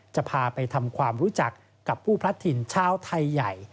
จะพาไปทำความรู้จักกับผู้พลัดถิ่นชาวไทยใหญ่